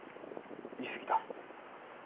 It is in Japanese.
言い過ぎた。